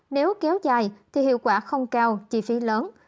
nếu kéo dài thì hiệu quả không cao chi phí lớn